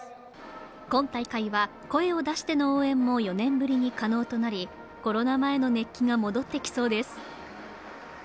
今大会は声を出しての応援も４年ぶりに可能となり、コロナ前の熱気が戻ってきそうです。